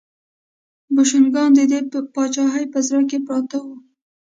بوشنګان د دې پاچاهۍ په زړه کې پراته وو.